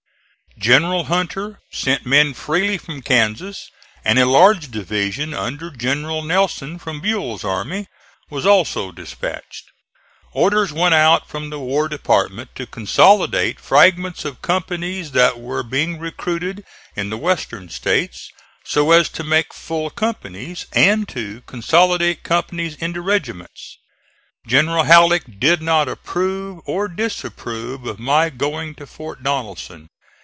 General Hunter sent men freely from Kansas, and a large division under General Nelson, from Buell's army, was also dispatched. Orders went out from the War Department to consolidate fragments of companies that were being recruited in the Western States so as to make full companies, and to consolidate companies into regiments. General Halleck did not approve or disapprove of my going to Fort Donelson.